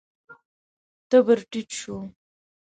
تبر ټيټ شو.